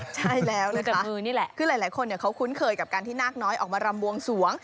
ใช่แล้วแล้วคือหลายคนเขาคุ้นเคยกับการที่นาคน้อยออกมารำบวงสวง